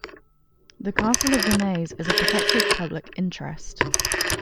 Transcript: The Castle of Vinhais is a protected public interest.